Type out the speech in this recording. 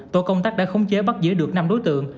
tổ công tác đã khống chế bắt giữ được năm đối tượng